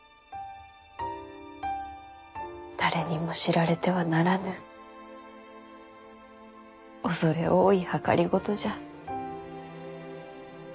誰にも知られてはならぬ恐れ多い謀じゃ。